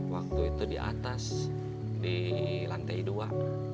waktu itu di atas di lantai dua